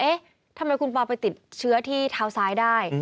ทำไมคุณปอไปติดเชื้อที่เท้าซ้ายได้